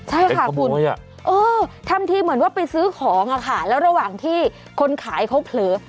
ใช่ค่ะคุณทำทีเหมือนว่าไปซื้อของค่ะแล้วระหว่างที่คนขายเขาเผลอ